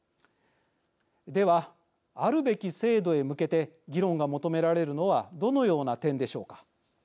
では、あるべき制度へ向けて議論が求められるのはどのような点でしょうか。